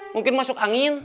mungkin masuk angin